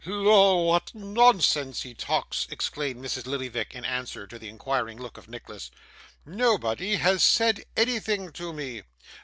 'Lor, what nonsense he talks!' exclaimed Mrs. Lillyvick in answer to the inquiring look of Nicholas. 'Nobody has said anything to me.